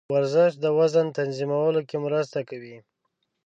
ورزش د وزن تنظیمولو کې مرسته کوي.